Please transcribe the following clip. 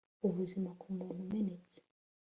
Ubuzima ku mutima umenetse